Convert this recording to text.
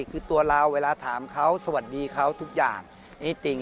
คือตัวเราเวลาถามเขาสวัสดีเขาทุกอย่างให้จริง